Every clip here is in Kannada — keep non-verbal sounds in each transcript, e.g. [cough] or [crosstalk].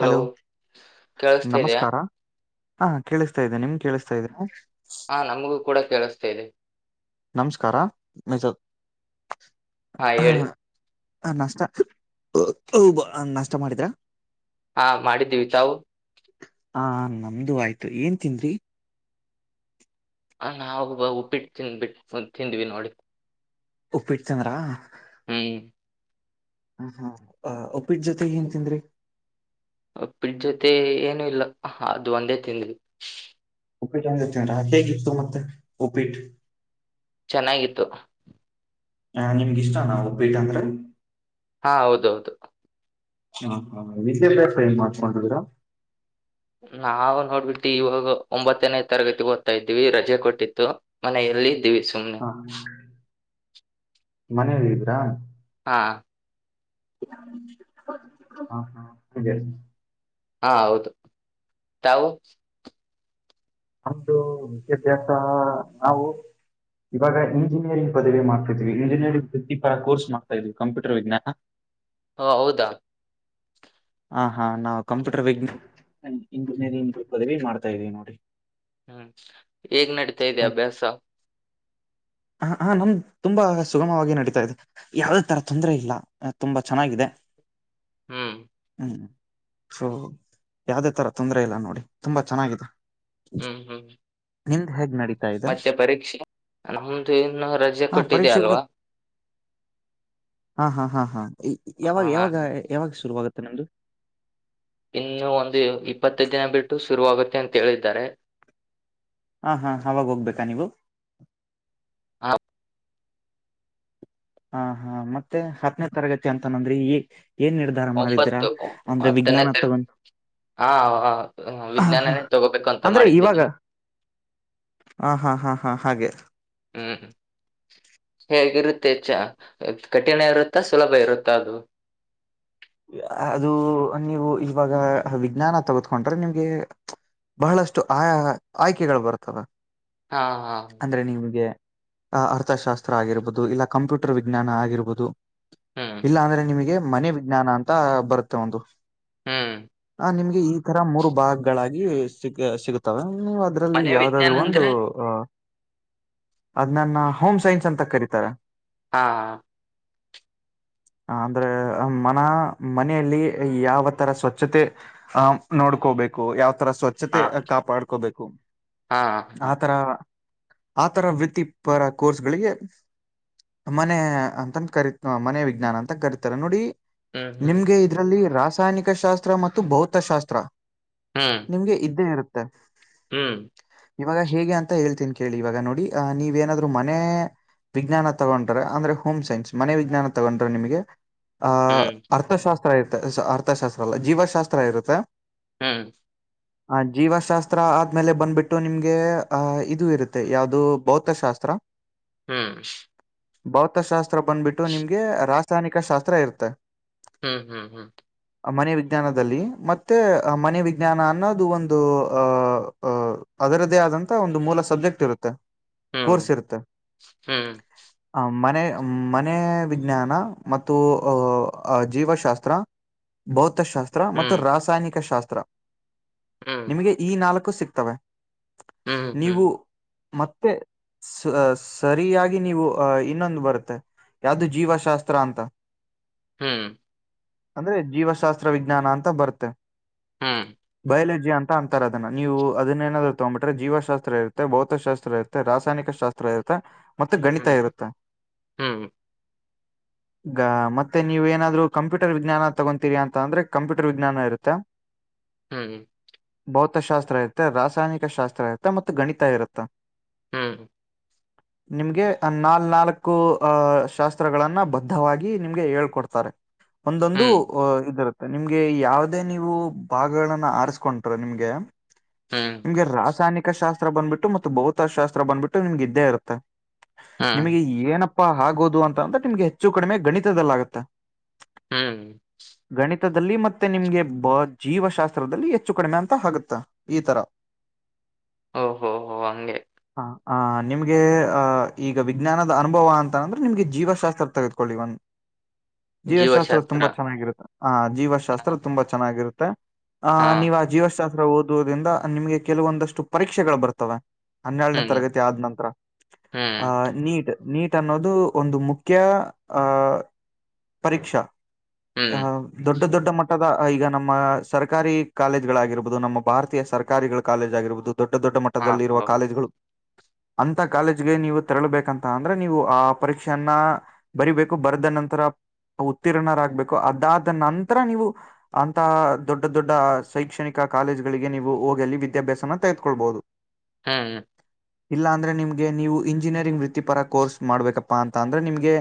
ಹಲೋ ಕೇಳಿಸ್ತಾ ಇದೆಯಾ ನಮಸ್ಕಾರ ಹಾ ಕೇಳಿಸ್ತಾ ಇದ್ದನೆ ನಿಮ್ ಕೇಳಿಸ್ತಾ ಇದ್ರನೆ ಹಾ ನಮಗೂ ಕೂಡ ಕೇಳಿಸ್ತ ಇದೆ ಮಸ ಹಾ ಹೇಳಿ ನಷ್ಟ ಹಬ ನಷ್ಟ ಮಾಡಿದ್ರಾ ಹಾ ಮಾಡಿದ್ದೀವಿ ಚಾವು ಆ ನಮ್ದು ಆಯ್ತು ಏನ್ ತಿಂದ್ರಿ ಆ, ನಾವು ಉಪ್ಪಬಿಟ್ಟು ತಿಂದ್ಬಿಟ್ಟು ತಿಂದ್ವಿ ನೋಡಿ ಉಪ್ಪಿಡ್ತಂದ್ರಾ ಹ್ಮ್ ಹ ಹಾ ಒಪ್ಪಿಟ್ ಜೊತೆ ಏನ್ ತಿಂದ್ರಿ ಫಿಜ್ ಜೊತೆ ಏನು ಇಲ್ಲಾ ಅದು ಒಂದೇ ತಿಂದವಿ ಉಪ್ಪಿಟ್ ಹೆಂಗ ಇತ್ತೂ ರಾ ಹೇಗಿತ್ತು ಮತ್ತೆ ಉಪ್ಪಿಟ್ ಚೆನ್ನಾಗಿತ್ತು ಹ ನಿಮ್ಗಿಷ್ಟನಾ ಉಪೀಟ್ಟ ಅಂದ್ರ ಹಾ ಹೌದೌದು ಹಾ ಹಾ ಇದೇ ಪೈನ್ ಮಾಡ್ಕೊಂಡಿದ್ದೀರಾ ನಾವು ನೋಡ್ಬಿಟ್ಟಿ ಇವಾಗ ಒಂಬತ್ತನೇ ತರಗತಿ ಗೊತ್ತು ಕೊತಾ ಇದ್ವಿ ರಜೆ ಕೊಟ್ಟಿತ್ತು ಮನೆಯಲ್ಲಿದಿವ ಹಾ ಮನೆಯಲ್ಲಿದ್ರಾ ಹಾ ಹ ಹಾ ಹಾ ಹೌದು ತಾವು ನಮ್ದು ವಿದ್ಯಾಭ್ಯಾಸ ನಾವು ಇವಾಗ ಇಂಜಿನಿಯರಿಂಗ್ ಪದವಿ ಮಾಡ್ತಾ ಇದಿದ್ವಿ ಇಂಜಿನಿಯರಿಂಗ್ ವೃತ್ತಿಪರ ಕೋರ್ಸ್ ಮಾಡ್ತಾ ಇದ್ವಿ ಕಂಪ್ಯೂಟರ್ ವಿಜ್ಞಾನಾ ಹ ಹೌದಾ ಹ ಹಾ ನಾವು ಹ್ಮ್ ಕಂಪ್ಯೂಟರ್ ವಿಜ್ಞಾನ ಇಂಜಿನಿಯರಿಂಗ್ ಪದವಿ ಮಾಡ್ತಾ ಇದೀವಿ ನೋಡಿ ಹ್ಮ್ ಹೇಗ್ ನಡೀತಾ ಇದೆ ಅಭ್ಯಾಸ [unintelligible] ಹ ಹಾ ನಮ್ದ್ ತುಂಬಾ ಸುಗಮವಾಗಿ ನಡೀತಾ ಇದೆ ಯಾವದೇ ತರ ತೊಂದರೆ ಇಲ್ಲ ತುಂಬಾ ಚೆನ್ನಾಗಿದೆ ಹ್ಮ್ ಹ್ಮ್ ಸೊ ಯಾವ್ದೇ ತರ ತೊಂದ್ರ ಇಲ್ಲ ನೋಡಿ ತುಂಬಾ ಚೆನ್ನಾಗಿದೆ ಹ್ಮ್ ಹ್ಮ್ ನಿಂದ್ ಹೇಗ್ ನಡೀ ಮತ್ತೆ ಪರೀಕ್ಷೆ ನಮ್ದು ಇನ್ನು ರಜೆ ಹಾ ಕೊಟ್ಟಿದ್ಯಾ ಪರೀಕ್ಷೆ ಕೂಡ ಅಲ್ವಾ ಹಾ ಹಾ ಹಾ ಹಾ ಯಾವಾಗ ಹ ಯಾವಾಗ ಯಾವಾಗ ಶುರುವಾಗುತ್ತೆ ನಿಮ್ದು ಇನ್ನು ಒಂದು ಇಪ್ಪತ್ತು ದಿನ ಬಿಟ್ಟು ಶುರುವಾಗುತ್ತೆ ಅಂತ ಹೇಳಿದ್ದಾರೆ ಹಾ ಹಾ ಆವಾಗ ಹೋಗ್ಬೇಕಾ ನೀವು ಆಪ್ ಹ ಹಾ ಮತ್ತೆ ಹತ್ತನೇ ತರಗತಿ ಅಂತನಂದ್ರೆ ಈ ಏನ್ ನಿರ್ಧಾರ ಮಾಡಿದ್ರಾ ಒಂಬತ್ತು ಅಂದ್ರೆ ಹತ್ತನೇ ವಿಜ್ಞಾನ ತರಗತಿ ತಗಂದು ಹಾ ವಿಜ್ಞಾನೇನ್ ತಗೋಬೇಕು ಅಂತ ಮಾಡಿದ್ದೀನ ಹಾ ಹಾ ಹಾ ಹಾ ಹಾಗೆ ಹ್ಮ ಹೇಗಿರುತ್ತೆ ಚ್ಚಾ ಕಠಿಣ ಇರುತ್ತಾ ಸುಲಭ ಇರುತ್ತಾ ಅದು [unintelligible] ಅದು ನೀವು ಇವಾಗ ವಿಜ್ಞಾನ ತಗತ್ಕೊಂಡ್ರೆ ನಿಮ್ಗೆ ಬಹಳಷ್ಟು ಆಯ ಆಯ್ಕೆಗಳು ಬರ್ತ್ತವೆ ಹಾ ಹಾ ಅಂದ್ರೆ ನಿಮ್ಗೆ ಆ ಅರ್ಥಶಾಸ್ತ್ರ ಆಗಿರ್ಬೋದು ಇಲ್ಲ ಕಂಪ್ಯೂಟರ್ ವಿಜ್ಞಾನ ಆಗಿರ್ಬೋದು ಹ್ಮ್ ಇಲ್ಲ ಅಂದ್ರೆ ನಿಮಗೆ ಮನೆ ವಿಜ್ಞಾನ ಅಂತ ಬರುತ್ತೆ ಒಂದು ಹ್ಮ್ ಆ ನಿಮ್ಗೆ ಈ ತರ ಮೂರು ಭಾಗಗಳಾಗಿ ಸಿ ಸಿಗುತ್ತವೆ ನೀ ಅದ್ರಲ್ಲಿ ಮನೆ ವಿಜ್ಞಾನ ಯಾವ್ದಾದ್ರು ಒಂದು ಅಂದ್ರೆ ಅ ಅದ್ ನನ್ನ ಹೋಮ್ ಸೈನ್ಸ್ ಅಂತ ಕರೀತಾರ ಹಾ ಹ ಅಂದ್ರೆ ಮನ ಮನೆಯಲ್ಲಿ ಯಾವ ತರ ಸ್ವಚ್ಛತೆ ಅ ನೋಡ್ಕೋಬೇಕು ಯಾವ ತರ ಸ್ವಚ್ಛತೆ ಹಾ ಕಾಪಾಡ್ಕೋಬೇಕು ಹಾ ಹಾ ಆತರ ಆತರ ವೃತ್ತಿಪರ ಕೋರ್ಸ್ಗಳಿಗೆ ಮನೆ ಅಂತ ಕರಿತ ಮನೆ ವಿಜ್ಞಾನ ಅಂತ ಕರಿತಾರೆ ನೋಡಿ ಹ್ಮ್ ಹ್ಮ್ ನಿಮ್ಗೆ ಇದರಲ್ಲಿ ರಾಸಾಯನಿಕಶಾಸ್ತ್ರ ಮತ್ತು ಭೌತಶಾಸ್ತ್ರ ನಿಂಗೆ ಇದ್ದೇ ಇರುತ್ತೆ. ಹ್ಮ್ ಇವಾಗ ಹೇಗೆ ಅಂತ ಹೇಳ್ತೀನ್ ಕೇಳಿ ಇವಾಗ ನೋಡಿ ಅ ನೀವ ಏನಾದ್ರು ಮನೆ. ವಿಜ್ಞಾನ ತಗೊಂಡ್ರ ಅಂದ್ರೆ ಹೋಮ್ ಸೈನ್ಸ್ ಮನೆ ವಿಜ್ಞಾನ ತಗೊಂಡ್ರ ನಿಮಗೆ. ಅ ಹ್ಮ್ ಅರ್ಥಶಾಸ್ತ್ರ ಇರುತ್ತೆ [unintelligible] ಅರ್ಥಶಾಸ್ತ್ರ ಅಲ್ಲ ಜೀವಶಾಸ್ತ್ರ ಇರುತ್ತೆ ಹ್ಮ್ ಆ ಜೀವಶಾಸ್ತ್ರ ಆದ್ಮೇಲೆ ಬಂದ್ಬಿಟ್ಟು ನಿಮ್ಗೆ ಆಹ ಇದು ಇರುತ್ತೆ ಯಾವುದು ಭೌತಶಾಸ್ ತ್ರ ಹ್ಮ್ ಭೌತಶಾಸ್ತ್ರ ಬಂದ್ಬಿಟ್ಟು ನಿಮ್ಗೆ ರಾಸಾಯನಿಕ ಶಾಸ್ತ್ರ ಇರ್ತೇ. ಹ್ಮ್ ಹ್ಮ್ ಹ್ಮ್ ಮನೆ ವಿಜ್ಞಾನದಲ್ಲಿ ಮತ್ತೆ ಮನೆ ವಿಜ್ಞಾನ ಅನ್ನೋದು ಒಂದು ಅ ಅ. ಅದರದೇ ಆದಂತಹ ಒಂದು ಮೂಲ ಸಬ್ಜೆಕ್ಟ್ ಇರುತ್ತೆ. ಹ್ಮ್ ಕೂರ್ಸಿರುತ್ತೆ ಹ್ಮ್ ಆ ಮನೆ. ಮನೆ ವಿಜ್ಞಾನ ಮತ್ತು ಅ ಅ ಜೀವಶಾಸ್ತ್ರ ಭೌ ತಶಾಸ್ತ್ರ ಹ್ಮ್ ಮತ್ತು ಹ್ಮ್ ರಾಸಾಯನಿಕ ಶಾಸ್ತ್ರ ನಿಮಗೆ ಈ ನಾಲಕು ಸಿಗ್ತವೆ.. ಹ್ಮ್ ಹ್ಮ್. ನೀವು ಮತ್ತೆ ಸ ಸರಿಯಾಗಿ ನೀವು ಅ ಇನ್ನೊಂದು ಬರುತ್ತೆ ಯಾವ್ದು ಜೀವಶಾಸ್ತ್ರ ಅಂತ. ಹ್ಮ್ ಅಂದ್ರೆ ಜೀವಶಾಸ್ತ್ರ ವಿಜ್ಞಾನ ಅಂತ ಬರುತ್ತೆ ಬಯಲಜಿ ಜಿ ಅಂತ ಅಂತಾರೆ ಅದನ್ನ ನೀವು ಅದನೆನಾದ್ರೂ ತೊಂಬಿಟ್ರೆ ಜೀವಶಾಸ್ತ್ರ ಇರುತ್ತೆ ಭೌತಶಾಸ್ತ್ರ ಇರುತ್ತೆ ರಾಸಾಯನಿಕ ಶಾಸ್ತ್ರ. ಇರುತ್ತೆ ಮತ್ತ ಗಣಿತ ಇರುತ್ತೆ. ಈಗ ಮತ್ತೆ ನೀವ ಏನಾದ್ರು ಕಂಪ್ಯೂಟರ್ ವಿಜ್ಞಾನ ತಗೊಂತೀವಿ ಅಂತ ಅಂದ್ರೆ ಕಂಪ್ಯೂಟರ್ ವಿಜ್ಞಾನ ಇರುತ್ತೆ. ಹ್ಮ್ ಹ್ಮ್ಮ್ ಭೌತಶಾಸ್ತ್ರ ಇರ್ತೆ ರಾಸಾಯನಿಕ ಶಾಸ್ತ್ರ ಇರ್ತೆ ಮತ್ತು ಗಣಿತ ಇರುತ್ತ. ಹ್ಮ್ ಹ್ ನಿಮ್ಗೆ ನಾಲ್ ನಾಲಕು ಅ ಶಾಸ್ತ್ರಗಳನ್ನ ಬ ಬದ್ಧವಾಗಿ ನಿಮ್ಗೆ ಹೇಳ್ಕೊಡ್ತಾರೆ ಒಂದೊಂದು ಅ ಇದಿರುತ್ತೆ. ನಿಮ್ಗೆ ಯಾವದೇ ನೀವು ಭಾಗಗಳನ್ನ ಆರಿಸ್ಕೊಂಟ್ರ ನಿಮ್ಗೆ. ನಿಮ್ಗೆ ರಾಸಾಯನಿಕ ಶಾಸ್ತ್ರ ಬಂದ್ಬಿಟ್ಟು ಮತ್ತು ಭೌತಶಾಸ್ತ್ರ ಬಂದ್ಬಿಟ್ಟು ನಿಮ್ಗ ಇದ್ದೇ ಇರುತ್ತೆ. ನಿಮಗೆ ಏನಪ್ಪಾ ಹಾಗೋದು ಅಂತ ಅಂದ್ರೆ ನಿಮ್ಗೆ ಹೆಚ್ಚು ಕಡಿಮೆ ಗಣಿತದಲ್ಲಾಗುತ್ತೆ. ಹ್ಮ್ ತದಲ್ಲಿ ಮತ್ತೆ ನಿಮ್ಗೆ ಬೌ ಜೀವಶಾಸ್ತ್ರದಲ್ಲಿ ಹೆಚ್ಚು ಕಡಿಮೆ ಅಂತ ಆಗುತ್ತೆ ಈ ತರ. ಓಹೋ ಹೋ ಹಂಗೆ. ಆ, ಆ ನಿಮ್ಗೆ ಆ ಈಗ ವಿಜ್ಞಾನದ ಅನುಭವ ಅಂತ ಅಂದ್ರ ನಿಮ್ಗೆ ಜೀವಶಾಸ್ತ್ರ ತಗ ಒ [unintelligible] ಜೀವಶಾಸ್ತ್ರ ತುಂಬಾ ಚೆನ್ನಾಗಿರುತ್ತ ಹ ಹಾ ಜೀವಶಾಸ್ತ್ರ ತುಂಬಾ ಚೆನ್ನಾಗಿರು ಮತ್ತ ಆ ಹಾ ನೀವು ಆ ಜೀವಶಾಸ್ತ್ರ ಓದುವುದಿಂದ ನಿಮ್ಗೆ ಕೆಲವೊಂದಷ್ಟು ಪರೀಕ್ಷೆಗಳು ಬರ್ತವೆ. ಹನ್ನೆರಡನೇ ಹ್ಮ್ ತರಗತಿ ಆದ ನಂತರ ಹ್ಮ್ ಅ ನೀಟ್. ನೀಟ್ ಅನ್ನೋದು ಒಂದು ಮುಖ್ಯ ಅ ಪರೀಕ್ಷಾ. ಹ್ಮ್ ಹ ದೊಡ್ಡ ದೊಡ್ಡ ದೊಡ್ಡ ಮಟ್ಟದ ಈಗ ನಮ್ಮ ಸರ್ಕಾರಿ ಕಾಲೇಜ್ಗಳಗಿರ್ಬಹುದು ನಮ್ಮ ಭಾರತೀಯ ಸರ್ಕಾರಿಗಳ ಕಾಲೇಜ್ ಆಗಿರ್ಬಹುದು. ದೊಡ್ಡ ದೊಡ್ಡ ಹಾ ಮಟ್ಟದಲ್ಲಿರುವ ಹೌದು ಕಾಲೇಜ್ಗಳು. ಅಂತ ಕಾಲೇಜ್ಗೆ ನೀವು ತೆರಳಬೇಕಂತ ಅಂದ್ರೆ ನೀವು ಆ ಪರೀಕ್ಷೆಯನ್ನ. ಬರಿಬೇಕು ಬರ್ದ ನಂತರ. ಉತ್ತೀರ್ಣರಾಗ್ಬೇಕು ಅದಾದ ನಂತರ ನೀವು ಅಂತ ದೊಡ್ಡ ದೊಡ್ಡ ಶೈಕ್ಷಣಿಕ. ಕಾಲೇಜಗಳಿಗೆ ನೀವು ಹೋಗಲ್ಲಿ ವಿದ್ಯಾಭ್ಯಾಸನ ತೆಗೆದುಕೊಳ್ಳಬಹುದು. ಹ್ಮ್ಮ್ ಇಲ್ಲಾ ಅಂದ್ರೆ ನಿಮ್ಗೆ ನೀವು ಇಂಜಿನಿಯರಿಂಗ್ ವೃತ್ತಿಪರ ಕೋರ್ಸ್ ಮಾಡ್ಬೇಕಪ್ಪಾ ಅಂತ ಅಂದ್ರೆ ನಿಮ್ಗೆ.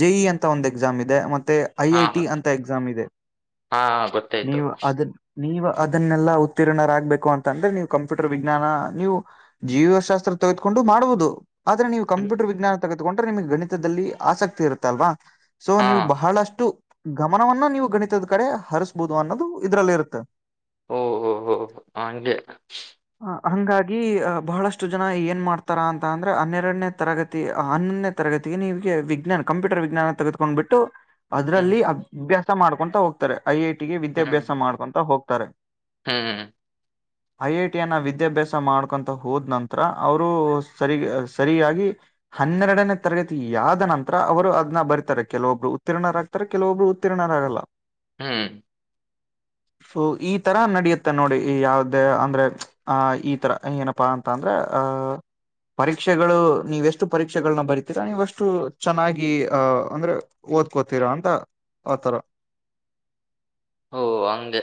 ಜೆಇ ಅಂತ ಒಂದು ಎಕ್ಸಾಮ್ ಇದೆ ಮ ಮತ್ತೆ ಐ ಹಾ ಐ ಟಿ ಅಂತ ಎಕ್ಸಾಮ್ ಇದೆ ಹಾ ಗೊತ್ತಾಯ್ತು ನೀವು ಅದರ್ ನೀವು ಅದನ್ನೆಲ್ಲಾ ಉತ್ತೀರ್ಣರಾಗ್ಬೇಕು ಅಂತ ಅಂದ್ರೆ ನೀವು ಕಂಪ್ಯೂಟರ್ ವಿಜ್ಞಾನ, ನೀವು ಜೀವಶಾಸ್ತ್ರ ತೆಗೆದ್ಕೊಂಡು ಮಾಡುಬೋದು ಆದ್ರೆ ನೀವು ಹ್ಮ್. ಕಂಪ್ಯೂಟರ್ ವಿಜ್ಞಾನ ತೆಗೆದುಕೊಂಡ್ರೆ ನಿಮಗೆ ಗಣಿತದಲ್ಲಿ ಆಸಕ್ತಿ ಇರುತ್ತಲ್ವಾ ಸೊ ಹಾ ನೀವು ಬಹಳಷ್ಟು ಗಮನವನ್ನ ನೀವು ಗಣಿತದ ಕಡೆ ಹರಸ್ಬೋದು ಅನ್ನೋದು ಇದ್ರಲ್ಲಿ ಇರುತ್ತೆ ಓಹೋ ಹೋ ಹಂಗೆ ಹಂಗಾಗಿ ಬಹಳಷ್ಟು ಜನ ಏನ್ ಮಾಡ್ತಾರಾ ಅಂತ ಅಂದ್ರೆ ಹನ್ನೆರಡನೇ ತರಗತಿ ಹನ್ನಂದನೇ ತರಗ ತಿಗೆ ನೀಗೆ ವಿಜ್ಞಾನ ಕಂಪ್ಯೂಟರ್ ವಿಜ್ಞಾನ ತೆಗೆದುಕೊಂಡ್ಬಿಟ್ಟು ಅದ್ರಲ್ಲಿ ಹ್ಮ್ ಅಭ್ಯಾಸ ಮಾಡ್ಕೊಂತಾ ಹೋಗ್ತಾರೆ ಐ ಐ ಟಿ ಗೆ ವಿದ್ಯಾಭ್ಯಾಸ ಹ್ಮ್ ಮಾಡ್ಕೊಂತಾ ಹೋಗ್ತಾರೆ ಹ್ಮ್ ಐ ಐ ಟಿ ಯನ್ನ ವಿದ್ಯಾಭ್ಯಾಸ ಮಾಡ್ಕೊಂತ ಹೋದ ನಂತರ ಅವರು ಸರಿ ಸರಿಯಾಗಿ ಹನ್ನೆರಡನೇ ತರಗತಿ ಯಾವ್ದನಂ ತ್ರ ಅವರು ಅದನ ಬರಿತಾರೆ ಕೆಲವೊಬ್ರು ಉತ್ತೀರ್ಣರಾಗ್ತಾರೆ ಕೆಲವೊಬ್ಬರು ಉತ್ತೀರ್ಣರಾಗಲ್ಲ ಹ್ಮ್ [inaudible] ಸೊ ಈ ತರ ನಡಿಯುತ್ತೆ ನೋಡಿ ಯಾವ್ದೇ ಅಂದ್ರೆ ಆ ಈ ತರ ಏನಪಾ ಅಂತ ಅಂದ್ರೆ ಅ ಪರೀಕ್ಷೆಗಳು ನೀವೆಷ್ಟು ಪರೀಕ್ಷೆಗಳನ್ನ ಬರಿತೀರಾ ನೀವಷ್ಟು ಚೆನ್ನಾಗಿ ಅ ಅಂದ್ರೆ ಓದ್ಕೋತೀರಾ ಅಂತ ಆತರ ಹೋ ಹಂಗೆ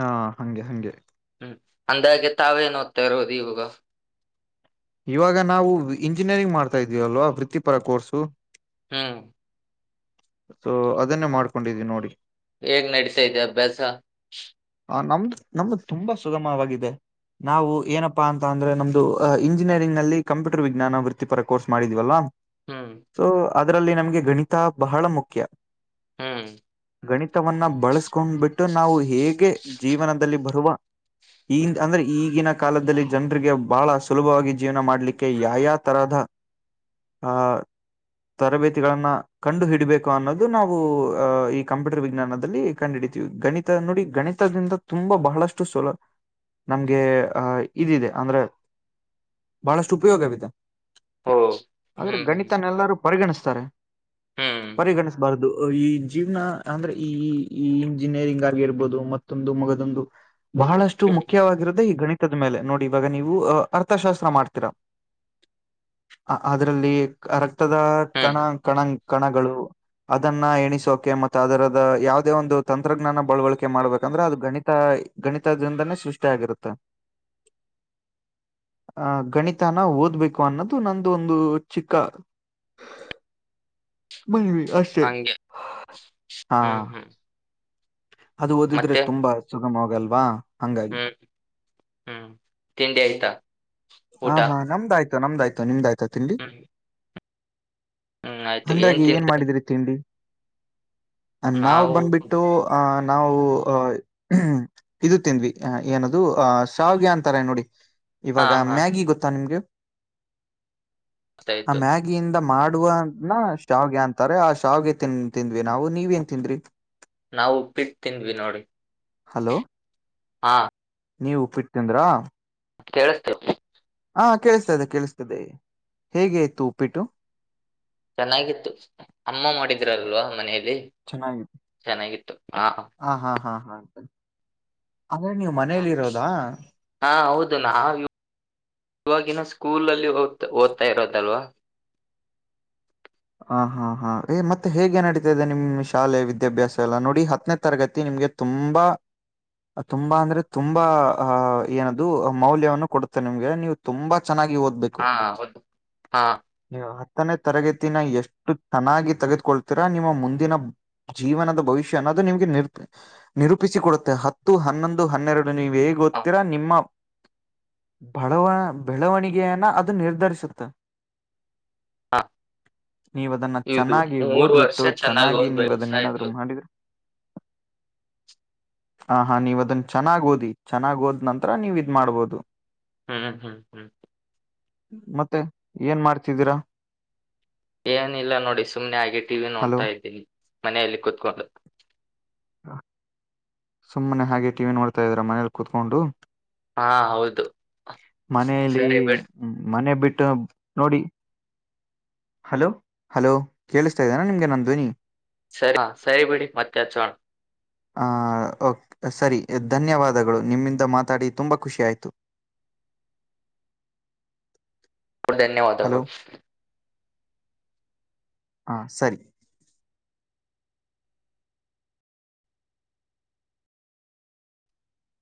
ಹಾ ಹಂಗೆ ಹಂಗೆ ಹ್ಮ್ ಅಂದಾಗೆ ತಾವೇನ್ ಓದ್ತಾ ಇರೋದು ಇವಾಗ ಇವಾಗ ನಾವು ಇಂಜಿನಿಯರಿಂಗ್ ಮಾಡ್ತಾ ಇದೀವಲ್ವಾ ವೃತ್ತಿಪರ ಕೋರ್ಸು ಹ್ಮ್ ಸೊ ಅದನ್ನೇ ಮಾಡ್ಕೊಂಡಿದೀವ್ ನೋಡಿ ಹೇಗ್ ನಡತಾ ಇದೆ ಅಭ್ಯಾಸ ಆ ನಮ್ದು ನಮ್ದು ತುಂಬಾ ಸುಗಮವಾಗಿದೆ. ನಾವು ಏನಪ್ಪಾ ಅಂತ ಅಂದ್ರೆ ನಮ್ದು ಅ ಇಂಜಿನಿಯರಿಂಗ್ ನಲ್ಲಿ ಕಂಪ್ಯೂಟರ್ ವಿಜ್ಞಾನ ವೃತ್ತಿಪರ ಕೋರ್ಸ್ ಮಾಡಿದ್ವಲ್ವಾ ಹ್ಮ್ ಸೊ ಅದ್ರಲ್ಲಿ ನಮ್ಗೆ ಗಣಿತ ಬಹಳ ಮುಖ್ಯ ಹ್ಮ್ ಗಣಿತವನ್ನ ಬಳಸ್ಕೊಂಡ್ಬಿಟ್ ನಾವು ಹೇಗೆ ಜೀವನದಲ್ಲಿ ಬರುವ ಈ ಅಂದ್ರೆ ಈಗಿನ ಕಾಲದಲ್ಲಿ ಜನರಿಗೆ ಬಹಳ ಸುಲಭವಾಗಿ ಜೀವನ ಮಾಡಲಿಕ್ಕೆ ಯಾ ಯಾ ತರಹದ ಹಾ ತರಬೇತಿಗಳನ್ನ ಕಂಡು ಹಿಡಿಬೇಕು ಅನ್ನೋದು ನಾವು ಅಹ್ ಈ ಕಂಪ್ಯೂಟರ್ ವಿಜ್ಞಾನದಲ್ಲಿ ಕಂಡು ಹಿಡಿತೀವಿ ಗಣಿತ ನೋಡಿ ಗಣಿತ್ ದಿಂದ ತುಂಬಾ ಬಹಳಷ್ಟು ಸುಲ ನಮ್ಗೆ ಅಹ ಇದಿದೆ ಅಂದ್ರೆ ಬಹಳಷ್ಟು ಉಪಯೋಗವಿದೆ ಓ ಆದ್ರೆ ಹ್ಮ್ ಗಣಿತನ್ನೆಲ್ಲರೂ ಪರಿಗಣಿಸ್ತಾರೆ ಹ್ಮ್ ಪರಿಗಣಿಸ್ಬಾರ್ದು ಈ ಜೀವ್ನ ಅಂದ್ರೆ ಈ ಈ ಈ ಇಂಜಿನಿಯರಿಂಗ್ ಆಗಿರ್ಬೋದು ಮತ್ತೊಂದು ಮಗದೊಂದು - ಬಹಳಷ್ಟು ಹ್ಮ್ ಮುಖ್ಯವಾಗಿರುದೆ ಈ ಗಣಿ ತದ ಮೇಲೆ ನೋಡಿ ಇವಾಗ ನೀವು ಅರ್ಥಶಾಸ್ತ್ರ ಮಾಡ್ತೀರಾ ಆ ಅದ್ರಲ್ಲಿ ರಕ್ತದ ಕಣ ಹ್ಮ್ ಕಣ ಕಣಗಳು ಅದನ್ನ ಎಣಿಸೋಕೆ ಮತ್ತ ಅದರದ ಯಾವದೇ ಒಂದು ತಂತ್ರಜ್ಞಾನ ಬಳವಳಿಕೆ ಮಾಡ್ಬೇಕಂದ್ರೆ ಅದು ಗಣಿತ ಗಣಿತದಿಂದಾನೇ ಸೃಷ್ಟಿಯಾಗಿರುತ್ತೆ ಆಹ ಗಣಿತನ ಓದ್ಬೇಕು ಅನ್ನೋದು ನಂದು ಒಂದು ಚಿಕ್ಕ ಮನವಿ ಅಷ್ಟೇ ಹಂಗೆ ಹಾ ಹ್ಮ್ ಹ್ಮ್ ಅದು ಓದಿದ್ರೆ ಮತ್ತೆ ತುಂಬಾ ಸುಗಮವಾಗಲ್ವಾ ಹಂಗಾಗಿ ಹ್ಮ್ ಹ್ಮ್ ತಿಂಡಿ ಆಯ್ತಾ ಹಾ ಊಟ ಹಾ ನಮ್ದಾಯ್ತು ನಮ್ದಾಯ್ತು ನಿಮ್ದ್ ಆಯ್ತ ತಿಂಡಿ ಹ್ಮ್ ಹ್ಮ್ ಆಯ್ತು ಹಂದಾಗೆ ಏನ್ ತಿಂದ್ರಿ ಮಾಡಿದ್ರಿ ತಿಂಡಿ ನಾವ್ ನಾವು ಬಂದ್ಬಿಟ್ಟು ಆ ನಾವು ಅಹ ಇದು ತಿಂದ್ವಿ ಏನದು ಅಹ ಶಾವಗೆಯ ಅಂತಾರೆ ನೋಡಿ ಹಾ ಇವಾಗ ಹಾ ಮ್ಯಾಗಿ ಗೊತ್ತಾ ನಿಮ್ಗೆ ಆ ಆಯ್ತು ಮ್ಯಾಗಿಯಿಂದ ಮಾಡುವ ನಾ ಶಾವಗೆ ಅಂತಾರೆ ಆ ಶಾವಗೆ ತಿನ್ಂತಿಂದ್ವಿ ನಾವು ನೀವ ನ್ ತಿಂದ್ರಿ ನಾವುಪ್ಪಿಟ್ಟತಿಂದ್ವಿ ನೋಡಿ ಹಾ ನೀವ್ ಉಪ್ಪಿಡ್ತೀದ್ರಾ ಕೇಳಸ್ತು ಹಾ ಕೇಳಿಸ್ತದೆ ಕೇಳಿಸ್ತದೆ ಹೇಗೆಯ್ತು ಉಪ್ಪಿಟ್ಟು ಚೆನ್ನಾಗಿತ್ತು ಅಮ್ಮ ಮಾಡಿದ್ರಲ್ವ ಮನೆಯಲ್ಲಿ ಚೆನ್ನಾಗಿತ್ತು ಚೆನ್ನಾಗಿತ್ತು ಹ ಹಾ ಹಾ ಹಾ ಅದೇ ನೀವು ಹ ಮನೇಲಿ ಇರೋದಾ ಹಾ ಹೌದಣ ಆ ಇವಾಗಿನ ಸ್ಕೂಲ್ಲ್ ಓದ್ತ ಓದ್ತಾ ಇರೋದಲ್ವಾ ಹ ಹಾ ಹಾ ಮತ್ತೆ ಹೇಗೆ ನಡೀತಾ ಇದೆ ನಿಮ್ ಶಾಲೆ ವಿದ್ಯಾಭ್ಯಾಸ ಎಲ್ಲ ನೋಡಿ ಹತ್ತನೇ ತರಗತಿ ನಿಮ್ಗೆ ತುಂಬಾ ತುಂಬಾ ಅಂದ್ರೆ ತುಂಬಾ ಅಹ ಏನದು ಮೌಲ್ಯವನ್ನು ಕೊಡುತ್ತೆ ನಿಮ್ಗೆ ನೀವು ತುಂಬಾ ಚೆನ್ನಾಗಿ ಓದ್ಬೇಕು ಹಾ ಹೌದು ಹಾ ನೀ ಹತ್ತನೇ ತರಗತಿ ಎಷ್ಟು ಚೆನ್ನಾಗಿ ತೆಗೆದುಕೊಳ್ತೀರಾ ನಿಮ್ಮ ಮುಂದಿನ ಜೀವನದ ಭವಿಷ್ಯ ಅನ್ನೋದು ನಿಮಗೆ ನಿರ್ ನಿರೂಪಿಸ ಕೊಡುತ್ತೆ ಹತ್ತು ಹನ್ನೊಂದು ಹನ್ನೆರಡು ನೀವ್ ಹೇಗ್ ಹ ಗೊತ್ತೀರಾ ನಿಮ್ಮ ಬೆಳವಣಿಗೆಯನ ಅದು ನಿರ್ಧರಿಸುತ್ತೆ ಹಾಂ ನೀವದನ್ನ ಚೆನ್ನಾಗಿ ವರ್ಷ ಓದ್ಬಿಟ್ಟು ಚೆನ್ನಾಗಿ ಓದ್ಬೇಕು ಆಯ್ತು ನೀವದನ್ನೇನಾದರೂ ಮಾಡಿದ್ರು [unintelligible] ಆ ಹಾ ನೀವ ಅದನ್ನ ಚೆನ್ನಾಗ್ ಓದಿ ಚೆನ್ನಾಗ್ ಓದ್ ನಂರ ನೀವ ಇದ್ ಮಾಡಾಬೋದು ಹ್ಮ್್ಮ್ ಹ್ಮ್ ಹ್ಮ್ ಮತ್ತೆ ಏನ್ ಮಾಡ್ತಿದ್ದೀರಾ ಏನಿಲ್ಲ ನೋಡಿ ಸುಮ್ನೆ ಹಾಗೆ ಟಿವಿ ಹಲೋ ನೋಡ್ತಾ ಇದ್ದೀನಿ ಮನೆಯಲ್ಲಿ ಕುೂತ್ಕೊಂಡು ಸುಮ್ಮನೆ ಹಾಗೆ ಟಿವಿ ನೋಡ್ತಾ ಇದ್ರ ಮನೇಲಿ ಕುೂತ್ಕೊಂಡು ಹಾ ಹೌದು ಮನಲಿ ಸರಿ ಬಿಡಿ ಮನೆ ಬಿಟ್ಟ ನೋಡಿ ಹಲೋ ಹಲೋ ಕೇಳಿಸ್ತಾ ಇದ್ದೇನಾ ನಿಮ್ಗೆ ನನ್ನ ಧ್ವನಿ ಸರಿ ಸರಿ ಬಿಡಿ ಮತ್ತೆಾಚೋಣ ಆ ಸರಿ ಧನ್ಯವಾದಗಳು ನಿಮ್ಮಿಂದ ಮಾತಾಡಿ ತುಂಬಾ ಖುಷಿ ಆಯ್ತು [unintelligible] ಹಲೋ ಧನ್ಯವಾದಗಳು ಹಾ ಸರಿ